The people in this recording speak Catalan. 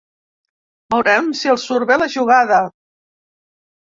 Veurem si els surt bé la jugada.